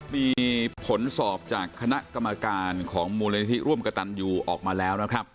มีผลสอบจากคณะกรรมการของมูลนิธิร่วมกระตันยูออกมาแล้วนะครับ